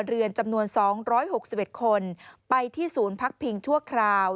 เรือนจำนวน๒๖๑คนไปที่ศูนย์พักพิงชั่วคราว